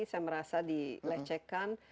saya merasa dilecehkan